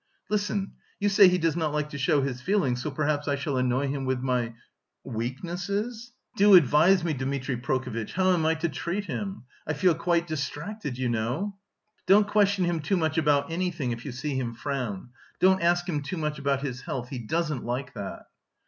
Listen, you say he does not like to show his feelings, so perhaps I shall annoy him with my... weaknesses? Do advise me, Dmitri Prokofitch, how am I to treat him? I feel quite distracted, you know." "Don't question him too much about anything if you see him frown; don't ask him too much about his health; he doesn't like that."